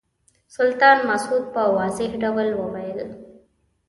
سلطان مسعود په واضح ډول وویل.